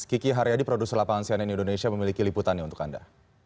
kiki haryadi produser lapangan cnn indonesia memiliki liputannya untuk anda